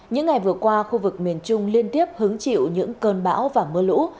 những ngày vừa qua khu vực miền trung liên tiếp hứng chịu những cơn bão và mưa lũ